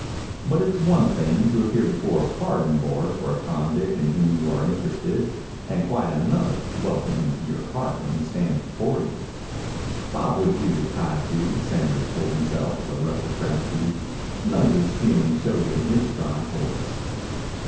But it's one thing to appear before a pardon board for a convict in whom you are interested and quite another to welcome him to your heart when he stands before you. Bob would do to tie to, Sanders told himself with a rush of gratitude. None of this feeling showed in his dry voice.